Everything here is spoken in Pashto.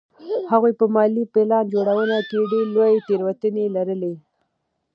هغوی په مالي پلان جوړونه کې ډېرې لویې تېروتنې لرلې.